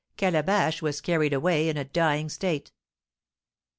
Calabash was carried away in a dying state.